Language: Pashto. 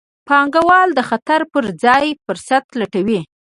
پانګوال د خطر پر ځای فرصت لټوي.